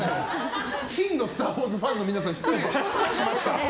真の「スター・ウォーズ」ファンの皆さん、失礼しました。